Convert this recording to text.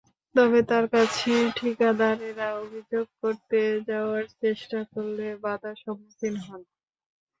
তবে তাঁর কাছে ঠিকাদারেরা অভিযোগ করতে যাওয়ার চেষ্টা করলেও বাধার সম্মুখীন হন।